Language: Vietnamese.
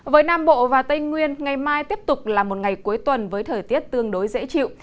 với nam bộ và tây nguyên ngày mai tiếp tục là một ngày cuối tuần với thời tiết tương đối dễ chịu